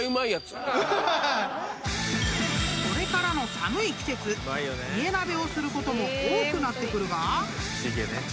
［これからの寒い季節家鍋をすることも多くなってくるが］